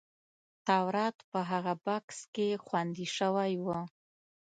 تورات په هغه بکس کې خوندي شوی و.